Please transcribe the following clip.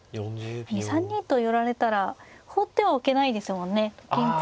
３二と寄られたら放ってはおけないですもんねと金使われてしまうので。